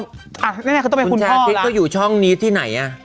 อาจจะเป็นคุณชาคลิตคุณชาคลิตก็อยู่ช่องนี้ที่ไหนอะ